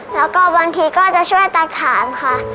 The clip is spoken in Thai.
แล้วก็บางทีก็จะช่วยตัดขานค่ะ